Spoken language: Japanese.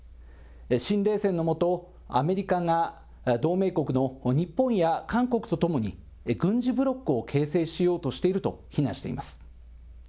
新冷戦の下、アメリカが同盟国の日本や韓国とともに、軍事ブロックを形成しようとしていると非難しています。